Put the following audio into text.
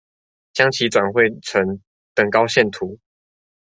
將其轉繪成等高線圖